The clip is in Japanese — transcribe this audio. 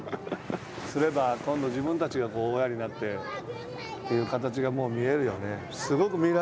そうすれば、今度自分たちが親になってという形がもう見えるよね。